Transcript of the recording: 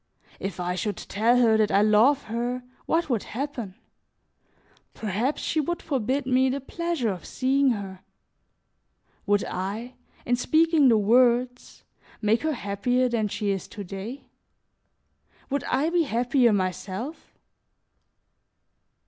If I should tell her that I love her, what would happen? Perhaps she would forbid me the pleasure of seeing her. Would I, in speaking the words, make her happier than she is to day? Would I be happier myself?"